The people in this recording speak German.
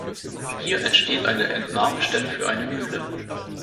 Hier besteht eine Entnahmestelle für eine Mühle.